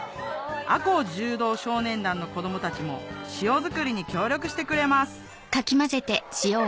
赤穂柔道少年団の子供たちも塩作りに協力してくれますハハハ。